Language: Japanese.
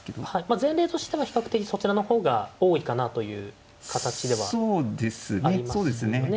はいまあ前例としては比較的そちらの方が多いかなという形ではありますよね。